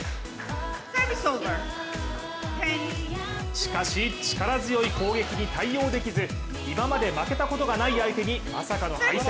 しかし力強い攻撃に対応できず今まで負けたことがない相手にまさかの敗戦。